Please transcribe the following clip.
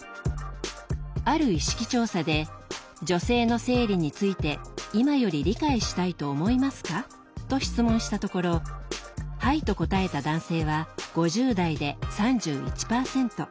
ある意識調査で「女性の生理について今より理解したいと思いますか？」と質問したところ「はい」と答えた男性は５０代で３１％。